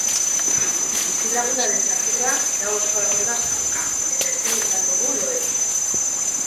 Bizilagunaren zakurra gau osoa egon da zaunka eta ezin izan dugu lo egin.